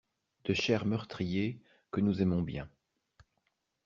De chers meurtriers que nous aimons bien.